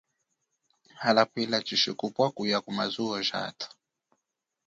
Hala pwila tshishikupwa kuya kumazuwo jathu.